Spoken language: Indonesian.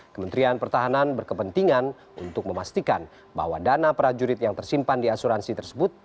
kementerian pertahanan berkepentingan untuk memastikan bahwa dana prajurit yang tersimpan di asuransi tersebut